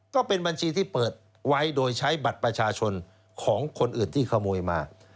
ก็เป็นบัญชีที่เปิดไว้โดยใช้บัตรประชาชนของคนอื่นที่ขโมยมา